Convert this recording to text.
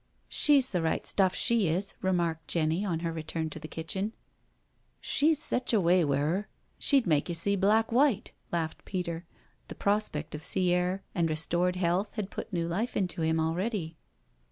" She's the right stuff, she is," remarked Jenny on her return to the kitchen. " She's sech a way wi' 'er— she'd make you see black white," laughed Peter. The prospect of sea air and restored health had put new life into him already.